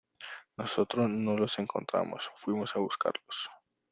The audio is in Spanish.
nosotros no los encontramos, fuimos a buscarlos.